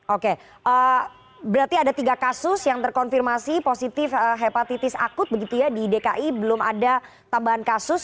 oke berarti ada tiga kasus yang terkonfirmasi positif hepatitis akut begitu ya di dki belum ada tambahan kasus